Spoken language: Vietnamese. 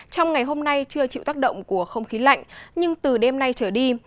trong ngày hôm nay chưa chịu tác động của không khí lạnh nhưng từ đêm nay trở đi